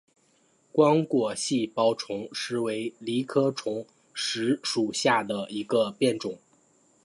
光果细苞虫实为藜科虫实属下的一个变种。